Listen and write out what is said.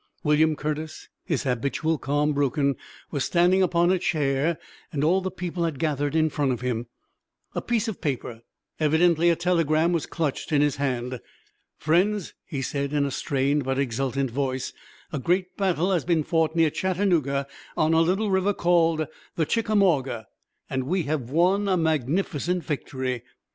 William Curtis, his habitual calm broken, was standing upon a chair and all the people had gathered in front of him. A piece of paper, evidently a telegram, was clutched in his hand. "Friends," he said in a strained, but exultant voice, "a great battle has been fought near Chattanooga on a little river called the Chickamauga, and we have won a magnificent victory."